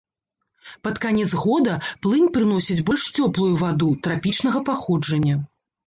Пад канец года, плынь прыносіць больш цёплую ваду, трапічнага паходжання.